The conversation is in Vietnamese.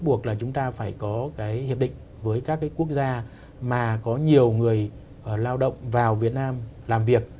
buộc là chúng ta phải có cái hiệp định với các cái quốc gia mà có nhiều người lao động vào việt nam làm việc